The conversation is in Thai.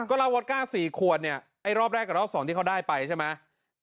ก็เราวอตก้า๔ควรเนี่ยรอบแรกกับรอบสองที่เขาได้ไปใช่ไหม